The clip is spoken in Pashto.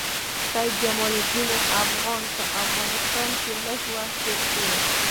سید جمال الدین افغاني په افغانستان کې لږ وخت تېر کړی.